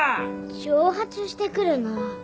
挑発してくるなぁ。